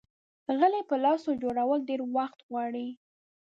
غلۍ په لاسو جوړول ډېر وخت غواړي.